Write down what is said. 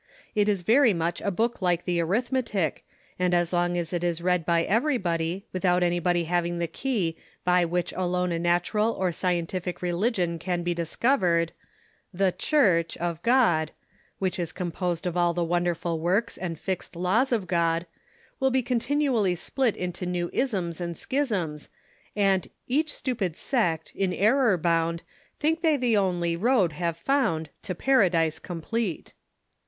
It is very much a book like the arithmetic, and as long as it is read by everybody, without anybody having the key by whicli alone a natural or scientific re ligion can be discovered, " The Church'''' of God (which is composed of all the wonderful works and fixed laws of God) will be continually split into new isms and schisms, and "Each stupid sect, in error bound, Think they the only road have found To paradise complete."